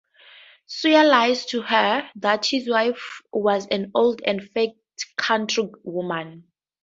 Sunya lies to her that his wife was an old and fat country woman.